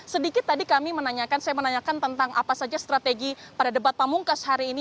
sedikit tadi kami menanyakan saya menanyakan tentang apa saja strategi pada debat pamungkas hari ini